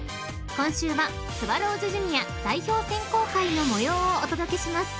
［今週はスワローズジュニア代表選考会の模様をお届けします］